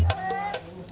tidak kej imlm